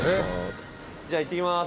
じゃあいってきます。